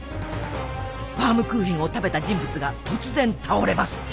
バームクーヘンを食べた人物が突然倒れます。